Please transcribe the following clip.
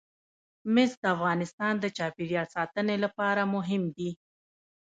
مس د افغانستان د چاپیریال ساتنې لپاره مهم دي.